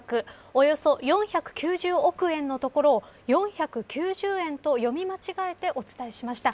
およそ４９０億円のところを４９０円と読み間違えてお伝えしました。